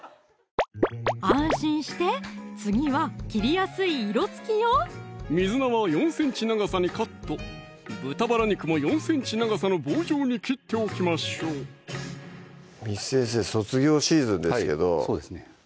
安心して次は切りやすい色つきよ水菜は４ｃｍ長さにカット豚バラ肉も４ｃｍ長さの棒状に切っておきましょう簾先生卒業シーズンですけどそうですね